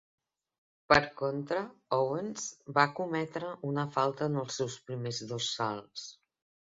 Per contra, Owens va cometre una falta en els seus primers dos salts.